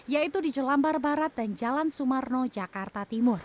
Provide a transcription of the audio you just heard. yaitu di jelambar barat dan jalan sumarno jakarta timur